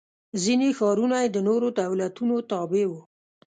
ځیني ښارونه یې د نورو دولتونو تابع و.